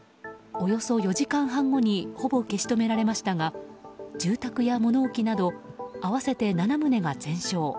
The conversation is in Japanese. およそ４時間半後にほぼ消し止められましたが住宅や物置など合わせて７棟が全焼。